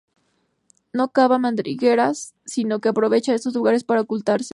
No cava madrigueras sino que aprovecha estos lugares para ocultarse.